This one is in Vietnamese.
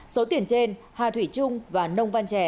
số tiền trên hà thủy trung và nông văn trẻ